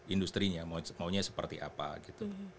industrinya maunya seperti apa gitu